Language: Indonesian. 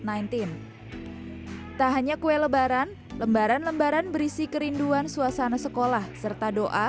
hai tak hanya kue lebaran lembaran lembaran berisi kerinduan suasana sekolah serta doa